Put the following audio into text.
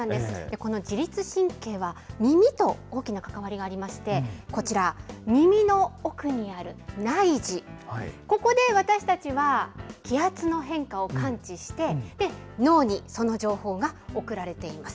この自律神経は、耳と大きな関わりがありまして、こちら、耳の奥にある内耳、ここで私たちは気圧の変化を感知して、脳にその情報が送られています。